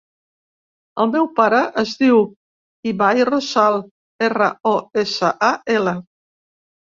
El meu pare es diu Ibai Rosal: erra, o, essa, a, ela.